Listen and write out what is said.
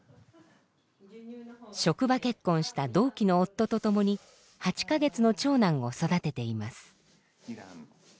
職場結婚した同期の夫と共に８か月の長男を育てています。